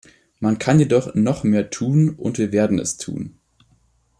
Man kann jedoch noch mehr tun, und wir werden es tun.